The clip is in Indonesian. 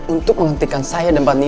untuk menghentikan saya dan pak nino